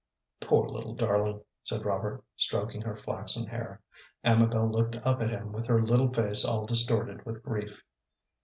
"Poor little darling," said Robert, stroking her flaxen hair. Amabel looked up at him with her little face all distorted with grief.